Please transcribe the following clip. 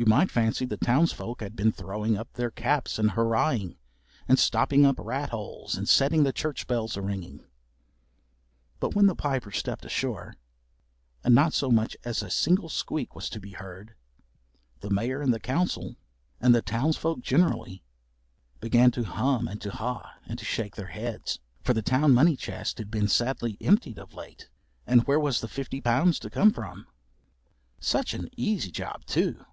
You may fancy the townsfolk had been throwing up their caps and hurrahing and stopping up rat holes and setting the church bells a ringing. But when the Piper stepped ashore and not so much as a single squeak was to be heard, the Mayor and the Council, and the townsfolk generally, began to hum and to ha and to shake their heads. For the town money chest had been sadly emptied of late, and where was the fifty pounds to come from? Such an easy job, too!